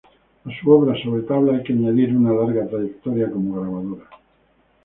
A su obra sobre tabla hay que añadir una larga trayectoria como grabadora.